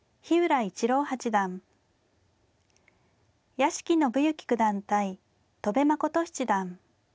屋敷伸之九段対戸辺誠七段。